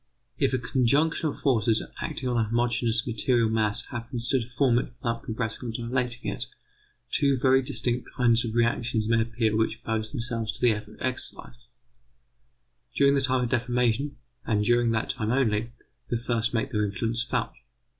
If a conjunction of forces acting on a homogeneous material mass happens to deform it without compressing or dilating it, two very distinct kinds of reactions may appear which oppose themselves to the effort exercised. During the time of deformation, and during that time only, the first make their influence felt.